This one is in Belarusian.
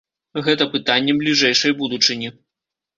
Гэта пытанне бліжэйшай будучыні.